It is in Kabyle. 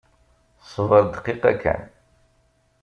Ṣbeṛ dqiqa kan.